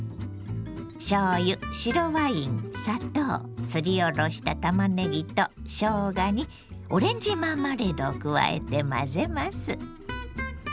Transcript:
しょうゆ白ワイン砂糖すりおろしたたまねぎとしょうがにオレンジマーマレードを加えて混ぜます。